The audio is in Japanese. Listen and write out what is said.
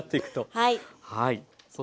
はい。